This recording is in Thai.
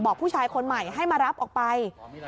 ผู้ชายคนใหม่ให้มารับออกไป